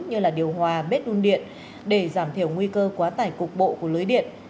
như điều hòa bếp đun điện để giảm thiểu nguy cơ quá tải cục bộ của lưới điện